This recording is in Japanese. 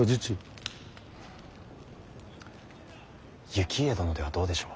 行家殿ではどうでしょう。